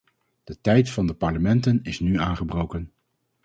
De tijd van de parlementen is nu aangebroken.